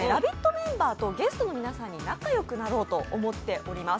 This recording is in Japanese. メンバーとゲストの皆さんで仲良くなろうと思っております。